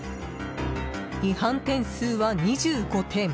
違反点数は２５点。